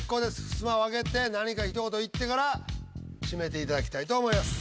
ふすまを開けて何か一言言ってから閉めていただきたいと思います。